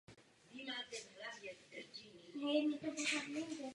K příspěvku zaměstnavatele se však neposkytuje státní příspěvek.